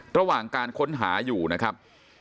ระหว่างการค้นหาอยู่นะครับ